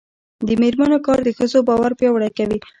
د میرمنو کار د ښځو باور پیاوړی کوي.